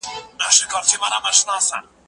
زه اوس چپنه پاکوم؟